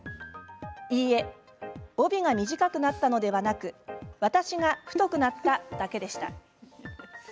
いいえ、帯が短くなったのではなく私が太くなっただけでした。